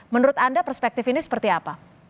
menurut anda perspektif ini seperti apa